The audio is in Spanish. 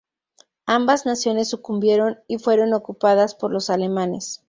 Ambas naciones sucumbieron y fueron ocupadas por los alemanes.